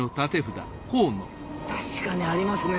確かにありますね